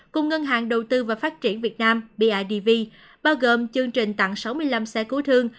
cùng ngân hàng đầu tư và phát triển việt nam bidv bao gồm chương trình tặng sáu mươi năm xe cứu thương